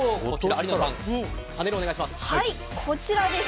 有野さん、パネルお願いします。